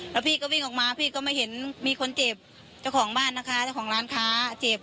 แล้วพี่ก็วิ่งออกมาพี่ก็ไม่เห็นมีคนเจ็บเจ้าของบ้านนะคะเจ้าของร้านค้าเจ็บ